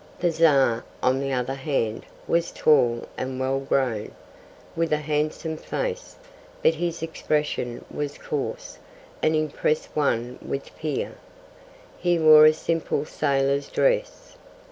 The Czar, on the other hand, was tall and well grown, with a handsome face, but his expression was coarse, and impressed one with fear. He wore a simple sailor's dress.